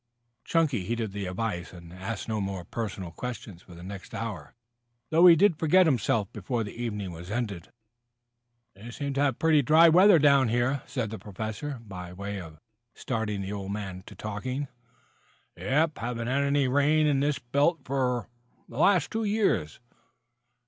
Chunky heeded the advice and asked no more personal questions for the next hour, though he did forget himself before the evening was ended. "You seem to be having pretty dry weather down here," said the Professor, by way of starting the old man to talking. "Yep. Haven't had any rain in this belt fer the last two years."